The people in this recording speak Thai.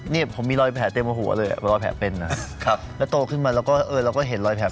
วันนี้อักกงเสียไปกันเลยครับ